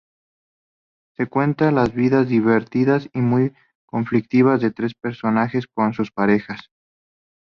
Se cuenta las vidas divertidas y muy conflictivas de tres personajes con sus parejas.